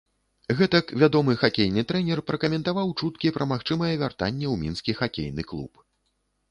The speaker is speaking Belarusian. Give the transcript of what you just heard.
Гэтак вядомы хакейны трэнер пракаментаваў чуткі пра магчымае вяртанне ў мінскі хакейны клуб.